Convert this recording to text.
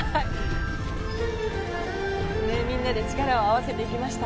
みんなで力を合わせて行きました。